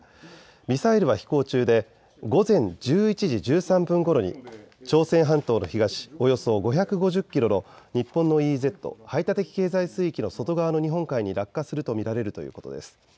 ミサイルは飛行中で午前１１時１３分ごろに朝鮮半島の東およそ５５０キロの日本のＥＥＺ、排他的経済水域の外側の日本海に落下すると見られるということです。